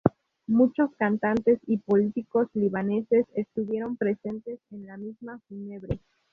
Muchos cantantes y políticos libaneses estuvieron presentes en la misa fúnebre.